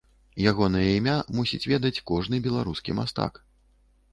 Ягонае імя мусіць ведаць кожны беларускі мастак.